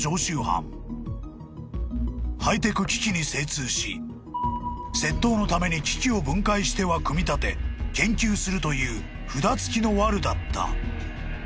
［ハイテク機器に精通し窃盗のために機器を分解しては組み立て研究するという札付きのワルだった］